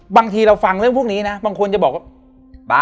บางทีเราฟังเรื่องพวกนี้นะบางคนจะบอกว่า